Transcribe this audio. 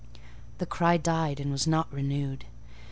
The cry died, and was not renewed.